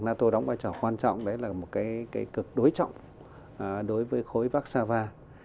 nato đóng vai trò quan trọng đấy là một cái cực đối trọng đối với khối vác sa va